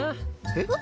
えっ？